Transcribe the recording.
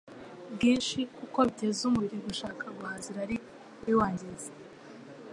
bwinshi, kuko biteza umubiri gushaka guhaza irari riwangiza.